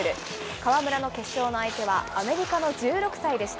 川村の決勝の相手は、アメリカの１６歳でした。